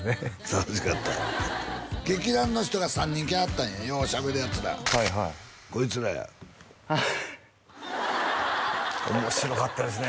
楽しかった劇団の人が３人来はったんやようしゃべるヤツらはいはいこいつらや面白かったですね